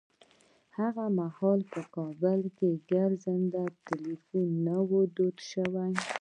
هغه مهال په کابل کې ګرځنده ټليفونونه نه وو دود شوي.